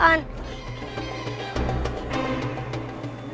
takut dipukul tuan